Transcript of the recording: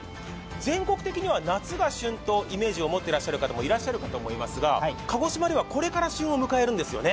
全国的には夏が旬というイメージを持ってらっしゃる方いると思いますが鹿児島ではこれから旬を迎えるんですよね。